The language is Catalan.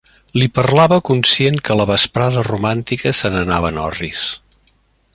Li parlava conscient que la vesprada romàntica se n’anava en orris.